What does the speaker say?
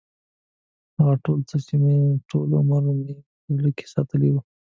ټول هغه څه مې چې ټول عمر مې په زړه کې ساتلي و.